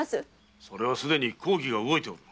それはすでに公儀が動いておる。